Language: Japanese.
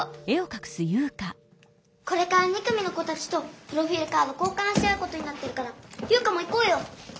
これから２組の子たちとプロフィールカード交かんし合うことになってるから優花も行こうよ！